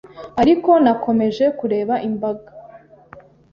Ariko nakomeje kureba imbaga